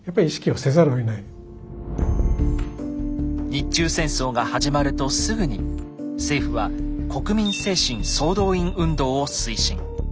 日中戦争が始まるとすぐに政府は「国民精神総動員運動」を推進。